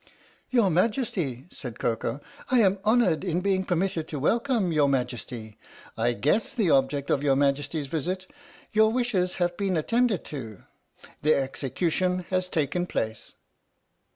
"Your Majesty," said Koko, "I am honoured in being permitted to welcome your Majesty. I guess the object of your Majesty's visit your wishes have been attended to. The execution has taken place!